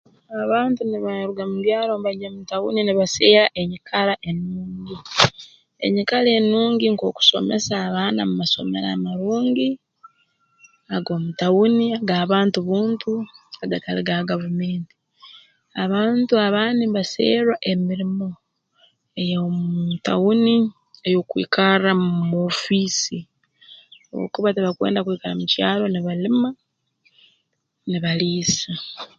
Abantu nibaruga mu byaro mbagya mu tauni nibaserra enyikara enungi enyikara enungi nk'okusomesa abaana mu masomero amarungi ag'omu tauni ag'abantu buntu agatali ga gavumenti abantu abandi mbaserra emirimo ey'omu tauni ey'okwikarra mu moofiisi habwokuba tibakwenda kwikara mu kyaro nibalima nibaliisa